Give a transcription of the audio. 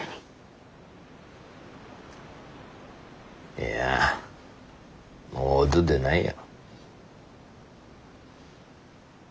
いやもう音出ないよ。